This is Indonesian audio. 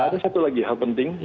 ada satu lagi hal penting